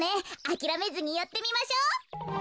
あきらめずにやってみましょう。